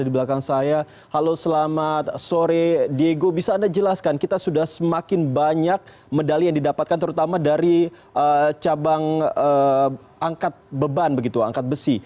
beban begitu angkat besi